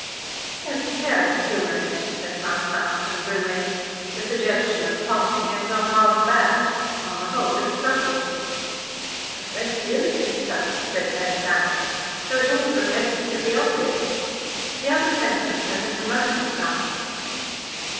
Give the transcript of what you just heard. "There's a careless humour in it," said Mount Dunstan grimly. "The suggestion of parting is not half bad. On the whole, it is subtle." "A great deal of it is subtle," said Penzance, "though it all professes to be obvious. The other sentence has a commercial sound."